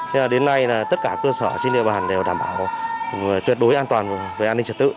thế là đến nay là tất cả cơ sở trên địa bàn đều đảm bảo tuyệt đối an toàn về an ninh trật tự